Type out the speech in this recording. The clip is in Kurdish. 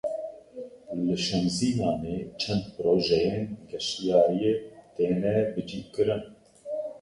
Li Şemzînanê çend projeyên geştyariyê têne bicîkirin.